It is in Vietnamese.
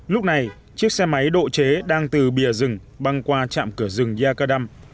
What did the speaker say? lúc này chiếc xe máy độ chế đang từ bìa rừng băng qua trạm cửa rừng yacadam